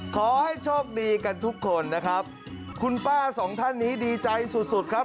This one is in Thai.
ขอให้โชคดีกันทุกคนนะครับคุณป้าสองท่านนี้ดีใจสุดสุดครับ